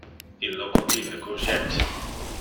Illo contine courgette.